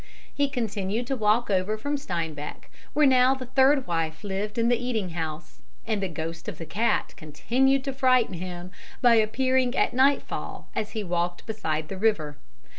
He continued to walk over from Steinbach, where now the third wife lived in the eating house, and the ghost of the cat continued to frighten him by appearing at nightfall as he walked beside the river.